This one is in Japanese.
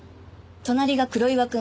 隣が黒岩くん。